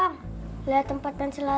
gue mau basah